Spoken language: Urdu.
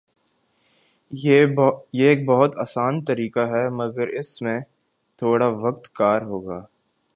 یہ ایک بہت آسان طریقہ ہے مگر اس میں تھوڑا وقت کار ہوگا